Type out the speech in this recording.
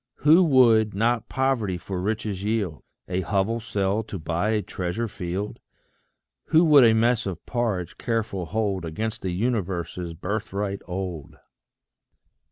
Who would not poverty for riches yield? A hovel sell to buy a treasure field? Who would a mess of porridge careful hold Against the universe's birthright old?